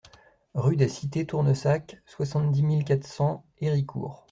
Rue des Cités Tournesac, soixante-dix mille quatre cents Héricourt